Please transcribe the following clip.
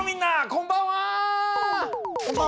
こんばんは！